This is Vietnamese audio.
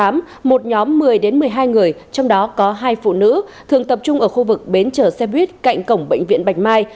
một nhóm một mươi một mươi hai người trong đó có hai phụ nữ thường tập trung ở khu vực bến chở xe buýt cạnh cổng bệnh viện bạch mai